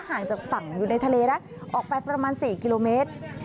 ห่างจากฝั่งอยู่ในทะเลนะออกไปประมาณ๔กิโลเมตร